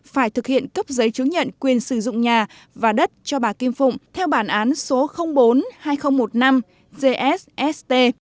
phải thực hiện cấp giấy chứng nhận quyền sử dụng nhà và đất cho bà kim phụng theo bản án số bốn hai nghìn một mươi năm jssst